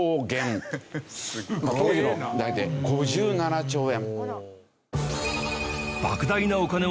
当時の大体５７兆円。